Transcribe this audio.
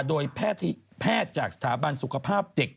โดยแพทย์จากสถาบันสุขภาพเด็ก